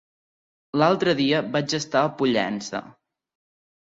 L'altre dia vaig estar a Pollença.